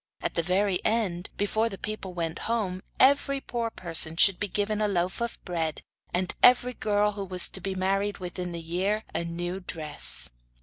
At the very end, before the people went home, every poor person should be given a loaf of bread and every girl who was to be married within the year a new dress.